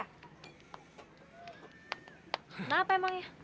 kenapa emang ya